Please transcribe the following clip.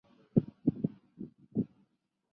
在不经意间